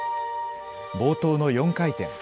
冒頭の４回転。